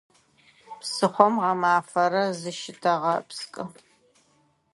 Псыхъом гъэмафэрэ зыщытэгъэпскӏы.